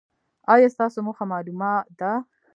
ایا ستاسو موخه معلومه ده؟